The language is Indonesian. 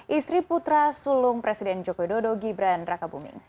istri putra sulung presiden joko widodo gibran raka buming